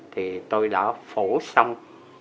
thì tôi đã phổ xong